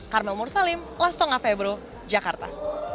carmel mursalim lastong avebro jakarta